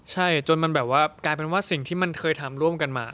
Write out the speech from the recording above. ใช่จนมันแบบว่ากลายเป็นว่าสิ่งที่มันเคยทำร่วมกันมา